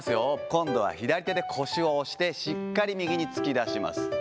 今度は左手で腰を押して、しっかり右に突き出します。